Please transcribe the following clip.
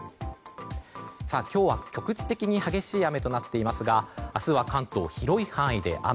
今日は局地的に激しい雨となっていますが明日は関東、広い範囲で雨。